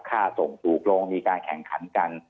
ค่าส่งถูกลงมีการแข่งขันกัน